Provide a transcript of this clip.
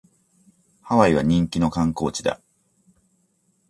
ハワイは人気の観光地だ